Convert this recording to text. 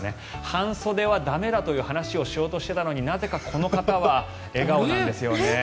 半袖は駄目だという話をしようとしていたのになぜかこの方は笑顔なんですよね。